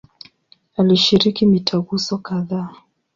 Alishiriki mitaguso kadhaa.